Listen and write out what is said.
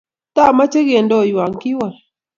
Tomoche kendoiwa, kiwol